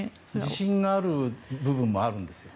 自信がある部分もあるんですよ。